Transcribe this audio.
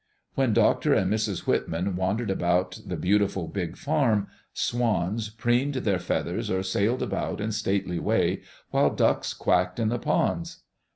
When Dr. and Mrs. Whitman wandered about the beautiful big farm, swans preened their feathers or sailed about in stately way, while ducks quacked in the ponds.